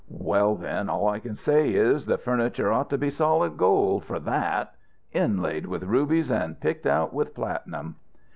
"Well, then, all I can say is the furniture ought to be solid gold for that; inlaid with rubies and picked out with platinum."